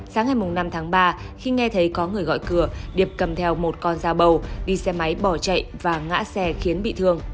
sáng ngày năm tháng ba khi nghe thấy có người gọi cửa điệp cầm theo một con dao bầu đi xe máy bỏ chạy và ngã xe khiến bị thương